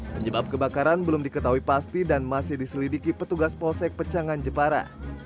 penyebab kebakaran belum diketahui pasti dan masih diselidiki petugas polsek pecangan jepara